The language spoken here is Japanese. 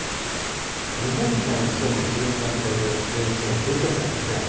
日本海にきょうの昼の段階で前線、低気圧があります。